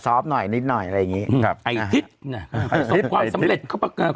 สอฟน์หน่อยนิดหน่อยอะไรอย่างงี้อัยถิศเขาก็ขอให้ประสบความสำเร็จ